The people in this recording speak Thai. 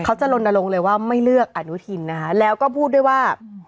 เขาจะลนลงเลยว่าไม่เลือกอนุทินนะคะแล้วก็พูดด้วยว่า